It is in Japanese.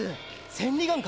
千里眼か？